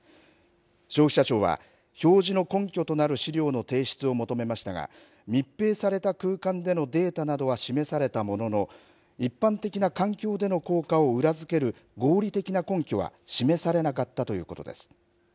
消費者庁は表示の根拠となる資料の提出を求めましたが、密閉された空間でのデータなどは示されたものの、一般的な環境での効果を裏付ける合理的な根拠は示されなかったということです。